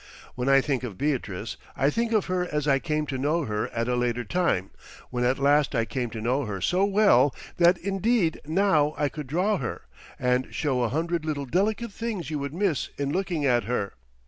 When I think of Beatrice, I think of her as I came to know her at a later time, when at last I came to know her so well that indeed now I could draw her, and show a hundred little delicate things you would miss in looking at her.